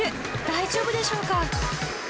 大丈夫でしょうか。